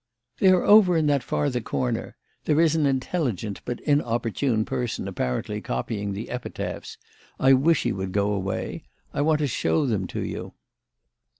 "They are over in that farther corner. There is an intelligent, but inopportune, person apparently copying the epitaphs. I wish he would go away. I want to show them to you."